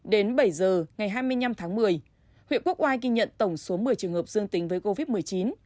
đến bảy giờ ngày hai mươi năm tháng một mươi huyện quốc oai ghi nhận tổng số một mươi trường hợp dương tính với covid một mươi chín